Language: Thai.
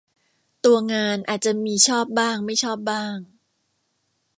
ตัวงานอาจจะมีชอบบ้างไม่ชอบบ้าง